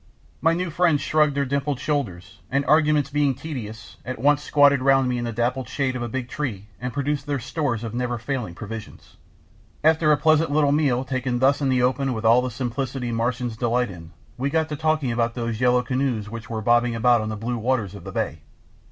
My new friends shrugged their dimpled shoulders and, arguments being tedious, at once squatted round me in the dappled shade of a big tree and produced their stores of never failing provisions. After a pleasant little meal taken thus in the open and with all the simplicity Martians delight in, we got to talking about those yellow canoes which were bobbing about on the blue waters of the bay.